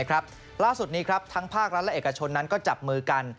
ล่าสุดนี้ทั้งภาครัฐและเอกชนนั้นก็จับมือกัน